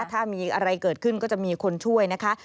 ถ้ามีอะไรเกิดขึ้นก็จะมีคนช่วยนะคะ